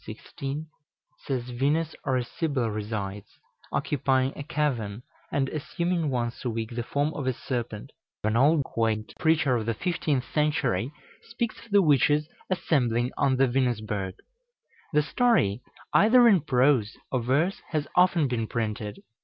16) says Venus or a Sibyl resides, occupying a cavern, and assuming once a week the form of a serpent. Geiler v. Keysersperg, a quaint old preacher of the fifteenth century, speaks of the witches assembling on the Venusberg. The story, either in prose or verse, has often been printed.